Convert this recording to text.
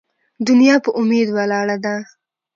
ـ دنيا په اميد ولاړه ده.